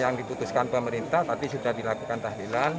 yang diputuskan pemerintah tapi sudah dilakukan tahlilan